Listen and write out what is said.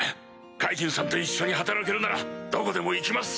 カイジンさんと一緒に働けるならどこでも行きます！